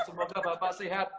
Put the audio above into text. semoga bapak sehat